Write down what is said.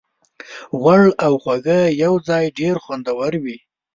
غوړ او خوږه یوځای ډېر خوندور وي.